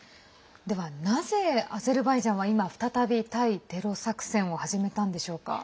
なぜ、アゼルバイジャンは今、再び、対テロ作戦を始めたのでしょうか。